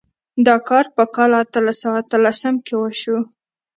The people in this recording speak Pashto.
دا کار په کال اتلس سوه اتلسم کې وشو.